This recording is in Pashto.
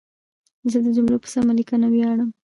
زه د جملو په سمه لیکنه ویاړم.